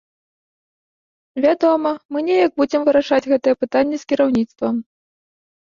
Вядома, мы неяк будзем вырашаць гэтае пытанне з кіраўніцтвам.